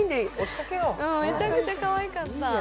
めちゃめちゃかわいかった。